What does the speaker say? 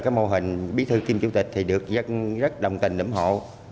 và cái mô hình bí thư kiêm chủ tịch thì được rất đồng tình ủng hộ